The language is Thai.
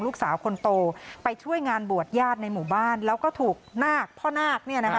ลูกสาวคนโตไปช่วยงานบวชญาติในหมู่บ้านแล้วก็ถูกนาคพ่อนาคเนี่ยนะคะ